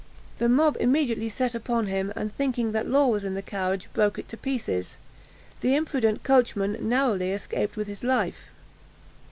The mob immediately set upon him, and thinking that Law was in the carriage, broke it to pieces. The imprudent coachman narrowly escaped with his life.